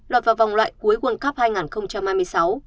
lọt vào vòng loại cuối world cup hai nghìn hai mươi sáu